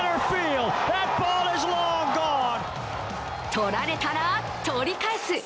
取られたら取り返す。